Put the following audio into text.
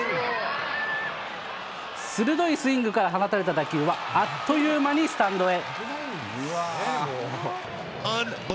鋭いスイングから放たれた打球はあっという間にスタンドへ。